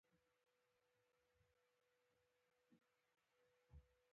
د شیرینو ولور په خپلو لاسو ګټمه.